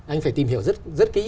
anh phải tìm hiểu rất kỹ